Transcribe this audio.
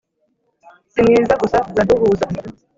Si mwiza gusa uraduhuza